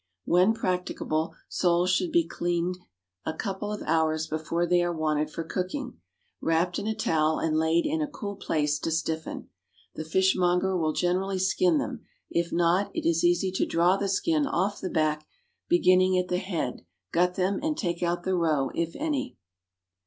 When practicable, soles should be cleansed a couple of hours before they are wanted for cooking, wrapped in a towel and laid in a cool place to stiffen. The fishmonger will generally skin them; if not, it is easy to draw the skin off the back beginning at the head, gut them, and take out the roe, if any.